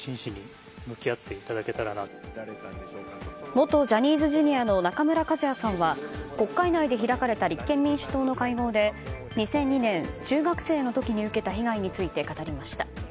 元ジャニーズＪｒ．の中村一也さんは国会内で開かれた立憲民主党の会合で２００２年、中学生の時に受けた被害について語りました。